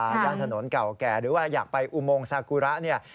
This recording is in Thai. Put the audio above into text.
อยากไปย่านสนตนเก่าแก่หรือว่าอยากไปอูโมงซากูระ